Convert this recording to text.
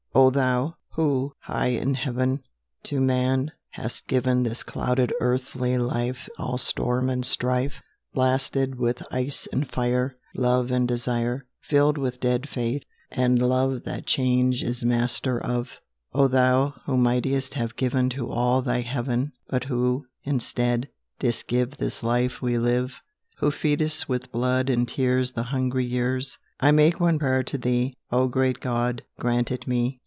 O THOU, who, high in heaven, To man hast given This clouded earthly life All storm and strife, Blasted with ice and fire, Love and desire, Filled with dead faith, and love That change is master of O Thou, who mightest have given To all Thy heaven, But who, instead, didst give This life we live Who feedest with blood and tears The hungry years I make one prayer to Thee, O Great God! grant it me.